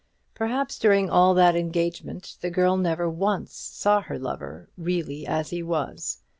Perhaps during all that engagement the girl never once saw her lover really as he was.